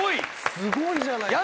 すごいじゃないですか！